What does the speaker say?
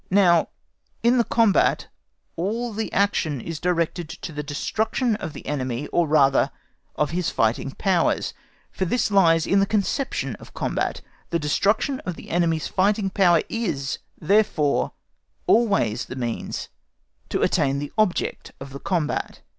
Now, in the combat all the action is directed to the destruction of the enemy, or rather of his fighting powers, for this lies in the conception of combat. The destruction of the enemy's fighting power is, therefore, always the means to attain the object of the combat.